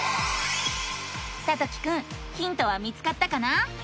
さときくんヒントは見つかったかな？